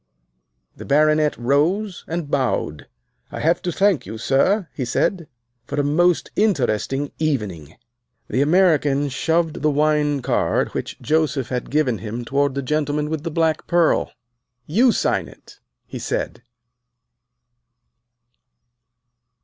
The Baronet rose and bowed. "I have to thank you, sir," he said, "for a most interesting evening." The American shoved the wine card which Joseph had given him toward the gentleman with the black pearl. "You sign it," he said.